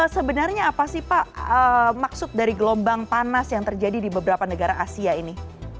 sebenarnya apa sih pak maksud dari gelombang panas yang terjadi di beberapa negara asia ini